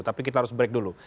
tapi kita harus break dulu